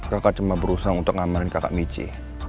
kakak cuma berusaha untuk ngamarin kakak mici